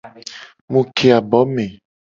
Mu ke abo me.